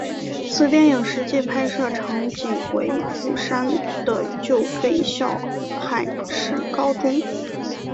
此电影实际拍摄场景为釜山的旧废校海事高中。